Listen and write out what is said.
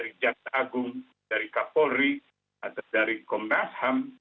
dari jaksa agung dari kapolri atau dari komnas ham